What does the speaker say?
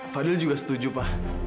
fadil juga setuju pa